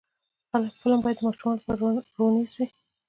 فلم باید د ماشومانو لپاره روزنیز وي